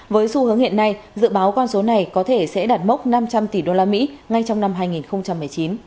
với xu hướng hiện nay dự báo con số này có thể sẽ đạt mốc năm trăm linh tỷ usd ngay trong năm hai nghìn một mươi chín